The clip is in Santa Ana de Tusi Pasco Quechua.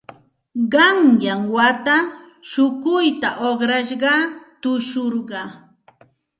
Qanyan wata shukuyta uqrashqayaq tushurqaa.